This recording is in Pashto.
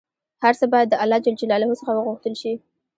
هر څه باید د الله ﷻ څخه وغوښتل شي